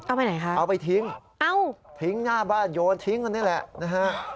เอาไปไหนคะเอาไปทิ้งเอ้าทิ้งหน้าบ้านโยนทิ้งกันนี่แหละนะฮะ